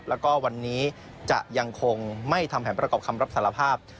แล้วก็วันนี้จะยังคงไม่ทำแผนประกอบคำรับสารภาพ